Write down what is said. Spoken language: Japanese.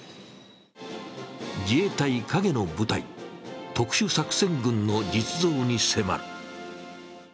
自衛隊・影の部隊、特殊作戦群の実像に迫る。